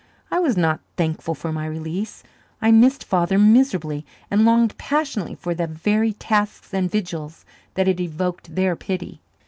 I was not thankful for my "release." I missed Father miserably and longed passionately for the very tasks and vigils that had evoked their pity.